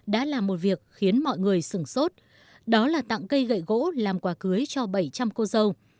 đã làm một việc khiến mọi người sửng sốt đó là tặng cây gậy gỗ làm quà cưới cho bảy trăm linh cô dâu